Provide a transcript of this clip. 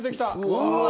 うわ！